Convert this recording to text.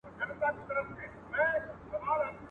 د ماشوم عقل په کاڼو هوښیارانو یم ویشتلی ..